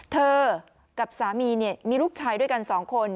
เธอกับสามีมีลูกชายด้วยกัน๒คน